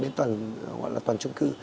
đến toàn trung cư